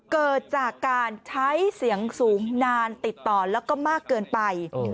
เกิดจากการใช้เสียงสูงนานติดต่อแล้วก็มากเกินไป